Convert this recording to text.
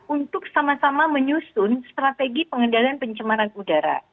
untuk sama sama menyusun strategi pengendalian pencemaran udara